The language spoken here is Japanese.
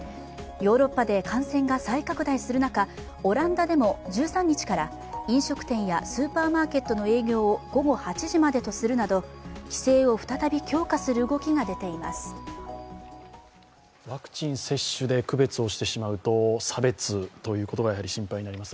ヨーロッパで感染が再拡大する中オランダでも１３日から飲食店やスーパーマーケットの営業を午後８時までとするなど規制を再び強化する動きが出ています。